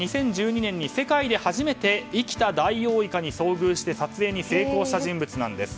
２０１２年に世界で初めて生きたダイオウイカに遭遇して撮影に成功した人物なんです。